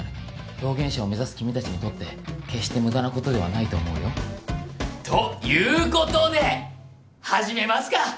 表現者を目指す君達にとって決してムダなことではないと思うよということで始めますか！